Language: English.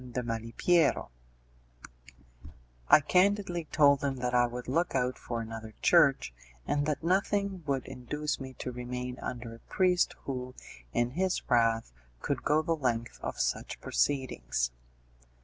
de Malipiero; I candidly told him that I would look out for another church, and that nothing would induce me to remain under a priest who, in his wrath, could go the length of such proceedings.